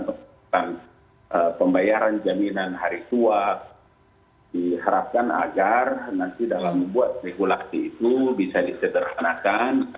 pembatasan pembayaran jaminan hari tua diharapkan agar nanti dalam membuat regulasi itu bisa disederhanakan